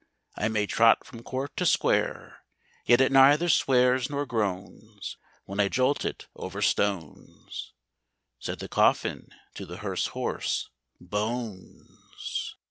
I may trot from court to square, Yet it neither swears nor groans, When I jolt it over stones." Said the coffin to the hearse horse, "Bones!"